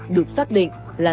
được xác định là